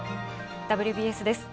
「ＷＢＳ」です。